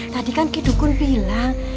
tadi kan kidukun bilang